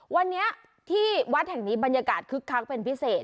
วันนี้ที่วัดแห่งนี้บรรยากาศคึกคักเป็นพิเศษ